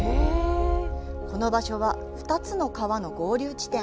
この場所は２つの川の合流地点。